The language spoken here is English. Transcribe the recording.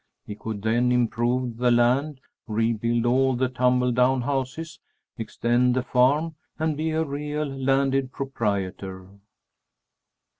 He could then improve the land, rebuild all the tumble down houses, extend the farm, and be a real landed proprietor.